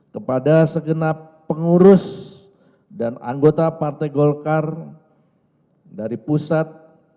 kepada segenap pengurus dan anggota partai golkar dari pusat